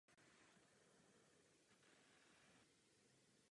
Studoval teologii v Praze a Římě.